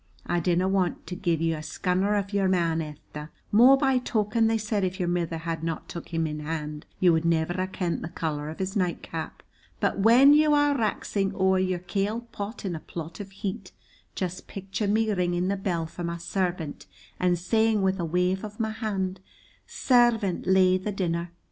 I dinna want to give you a scunner of your man, Esther, more by token they said if your mither had not took him in hand you would never have kent the color of his nightcap, but when you are wraxing ower your kail pot in a plot of heat, just picture me ringing the bell for my servant, and saying, with a wave of my hand, 'Servant, lay the dinner.'